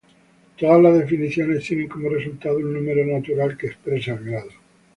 Todas las definiciones tienen como resultado un número natural que expresa el grado.